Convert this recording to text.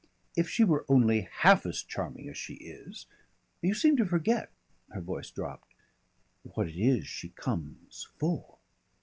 If she were only half as charming as she is. You seem to forget" her voice dropped "what it is she comes for."